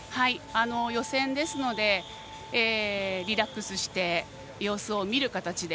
予選ですのでリラックスして様子を見る形で。